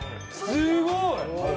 すごい！